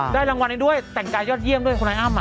รางวัลเองด้วยแต่งกายยอดเยี่ยมด้วยคุณไอ้อ้ำ